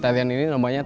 tari yang ini sudah lama